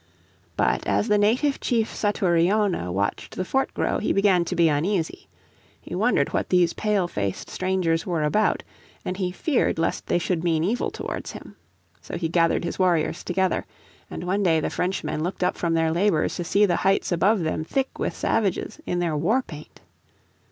But as the native Chief Satouriona watched the fort grow he began to be uneasy. He wondered what these pale faced strangers were about, and he feared lest they should mean evil towards him. So he gathered his warriors together, and one day the Frenchmen looked up from their labours to see the heights above them thick with savages in their war paint.